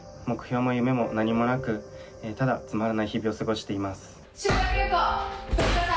目標も夢も何もなくただつまらない日々を過ごしています。